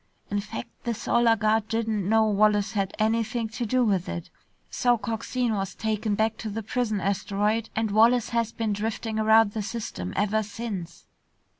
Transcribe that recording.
In fact, the Solar Guard didn't know Wallace had anything to do with it. So Coxine was taken back to the prison asteroid, and Wallace has been driftin' around the system ever since."